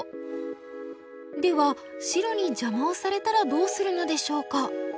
では白に邪魔をされたらどうするのでしょうか？